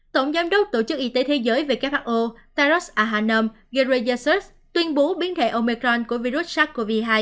tổng giám đốc tổ chức y tế thế giới who taros ahanom gereyassetus tuyên bố biến thể omecron của virus sars cov hai